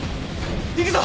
行くぞ！